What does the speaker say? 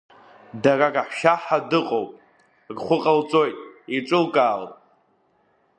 Дара раҳәшьа ҳа дыҟоп, рхәы ҟалҵоит, еиҿылкааот.